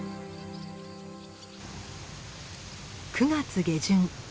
９月下旬。